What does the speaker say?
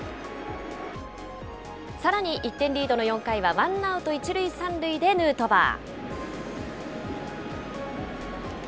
さらに１点リードの４回は、ワンアウト１塁３塁でヌートバー。